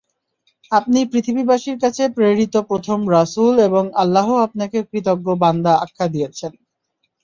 আপনি পৃথিবীবাসীর কাছে প্রেরিত প্রথম রাসূল এবং আল্লাহ আপনাকে কৃতজ্ঞ বান্দা আখ্যা দিয়েছেন।